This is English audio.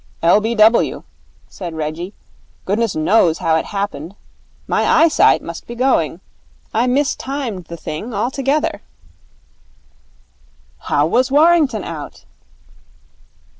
'L.b.w.,' said Reggie. 'Goodness knows how it happened. My eyesight must be going. I mistimed the thing altogether.' 'How was Warrington out?'